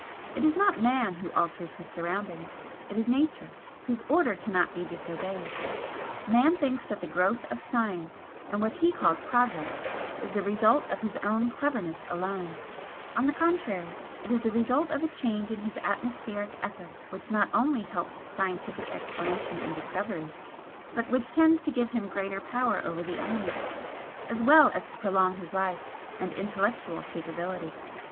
It is not Man who alters his surroundings it is Nature, whose order cannot be disobeyed. Man thinks that the growth of science and what he calls his 'progress' is the result of his own cleverness alone; on the contrary, it is the result of a change in his atmospheric ether which not only helps scientific explanation and discovery, but which tends to give him greater power over the elements, as well as to prolong his life and intellectual capability.